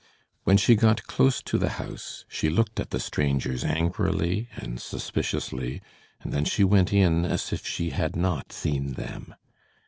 When she got close to the house, she looked at the strangers angrily and suspiciously, and then she went in, as if she had not seen them.